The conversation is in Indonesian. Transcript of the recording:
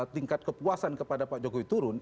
tingkat kepuasan kepada pak jokowi turun